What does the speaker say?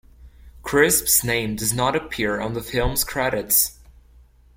Crisp's name does not appear on the films credits.